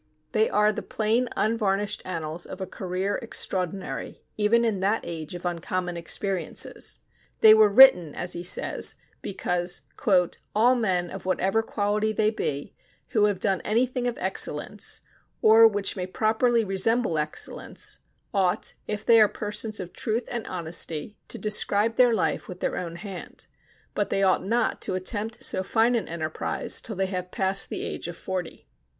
They are the plain unvarnished annals of a career extraordinary even in that age of uncommon experiences; they were written, as he says, because "all men of whatever quality they be, who have done anything of excellence, or which may properly resemble excellence, ought, if they are persons of truth and honesty, to describe their life with their own hand; but they ought not to attempt so fine an enterprise till they have passed the age of forty."